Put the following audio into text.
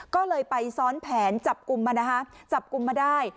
ก็เลยไปซ้อนแผนจับกลุ่มมานะคะจับกลุ่มมาได้